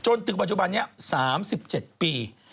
จนถึงปัจจุบันนี้๓๗ปี